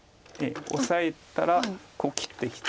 オサえたら切ってきて。